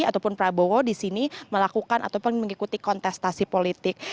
ataupun prabowo di sini melakukan ataupun mengikuti kontestasi politik